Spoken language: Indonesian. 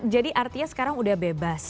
jadi artinya sekarang sudah bebas